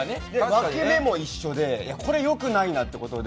分け目も一緒で、これはよくないなっていうことで。